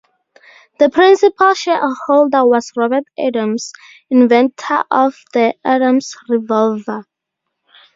The principal shareholder was Robert Adams, inventor of the Adams revolver.